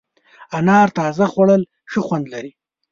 انار تازه خوړل ښه خوند لري.